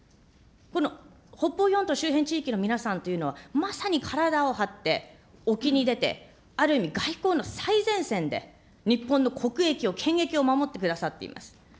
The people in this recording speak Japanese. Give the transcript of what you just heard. この北方四島周辺の地域の皆さんというのはまさに体を張って沖に出て、ある意味、外交の最前線で日本の国益を、権益を守ってくださっています。